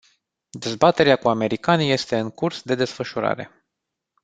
Dezbaterea cu americanii este în curs de desfășurare.